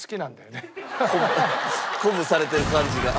鼓舞されてる感じが。